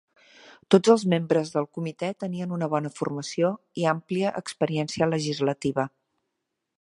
Tots els membres del comitè tenien una bona formació i àmplia experiència legislativa.